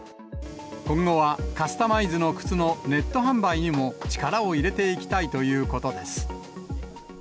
今後はカスタマイズの靴のネット販売にも、力を入れていきたいということです。